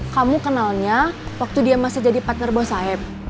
kamu kenalnya waktu dia masih jadi partner bos saya